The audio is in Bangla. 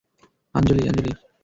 আঞ্জলি - আঞ্জলি।